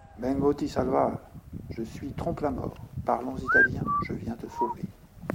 Vengo ti salvar, je suis Trompe-la-Mort, parlons italien, je viens te sauver.